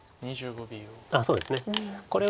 そうですね。